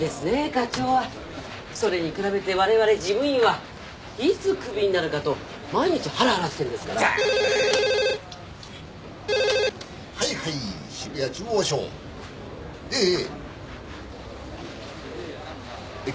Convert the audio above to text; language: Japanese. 課長はそれに比べてわれわれ事務員はいつクビになるかと毎日ハラハラしてるんですから・☎はいはい渋谷中央署えええええっ